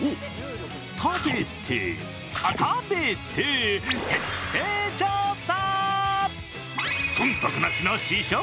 食べて、食べて、徹底調査。